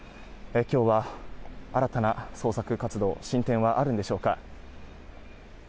今日は新たな捜索活動進展はあるのでしょうか。